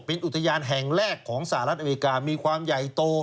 เป็นอุทยานแห่งแรกของสหรัฐอเมริกามีความใหญ่โต